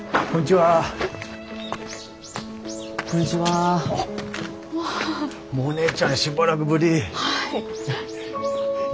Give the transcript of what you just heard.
はい。